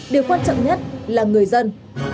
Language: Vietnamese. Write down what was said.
điều quan trọng nhất là người dân